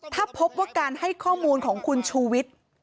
ถ้าพบว่าการให้ข้อมูลของคุณชูวิทย์